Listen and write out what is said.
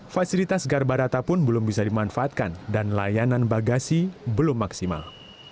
fasilitas garbarata pun belum bisa dimanfaatkan dan layanan bagasi belum maksimal